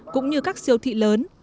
cũng như các siêu thị lớn